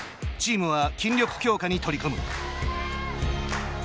チームは筋力強化に取り組む。